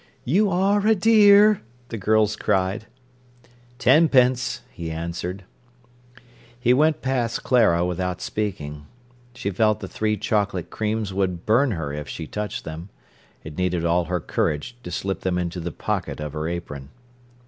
"You are a dear," the girls cried. "Tenpence," he answered. He went past Clara without speaking. She felt the three chocolate creams would burn her if she touched them. It needed all her courage to slip them into the pocket of her apron.